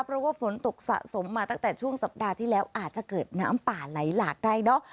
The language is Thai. เพราะว่าฝนตกสะสมมาตั้งแต่ช่วงสัปดาห์ที่แล้วอาจจะเกิดน้ำป่าไหลหลากได้เนอะ